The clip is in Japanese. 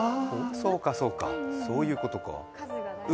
そうか、そうか、そういうことか。